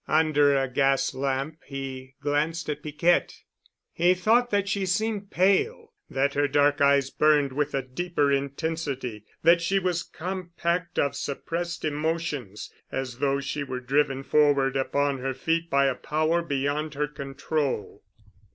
Under a gas lamp, he glanced at Piquette. He thought that she seemed pale, that her dark eyes burned with a deeper intensity, that she was compact of suppressed emotions, as though she were driven forward upon her feet by a power beyond her to control.